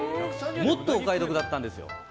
もっとお買い得だったんですよ。